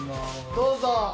どうぞ。